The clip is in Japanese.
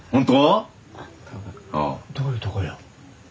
どういうとこよ？